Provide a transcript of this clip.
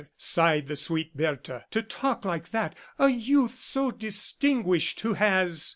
sighed the sweet Bertha, "to talk like that, a youth so distinguished who has